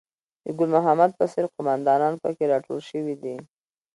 د ګل محمد په څېر قوماندانان په کې راټول شوي دي.